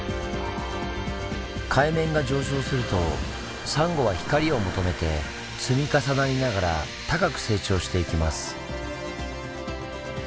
海面が上昇するとサンゴは光を求めて積み重なりながら高く成長していきます。